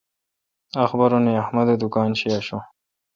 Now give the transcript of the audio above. اخبارونے احمد اے° دکان شی آشوں۔